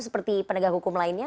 seperti penegak hukum lainnya